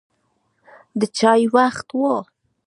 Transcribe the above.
د چای وخت و.